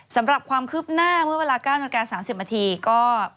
สำหรับความคืบหน้าเมื่อเวลา๙นาฬิกา๓๐นาทีก็